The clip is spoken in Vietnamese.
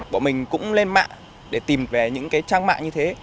bọn mình cũng lên mạng để tìm về những cái trang mạng như thế